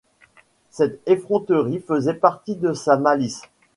Cette effronterie faisait partie de sa malice.